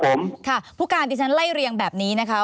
พวกการอย่างนี้ที่ฉันไล่เรียงแบบนี้นะคะ